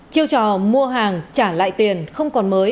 chiêu trò mua hàng trả lại tiền không còn mới